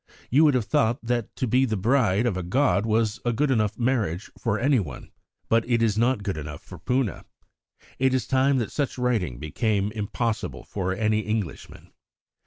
You would have thought that to be the bride of a god was a good enough marriage for anyone. But it is not good enough for Poona." It is time that such writing became impossible for any Englishman.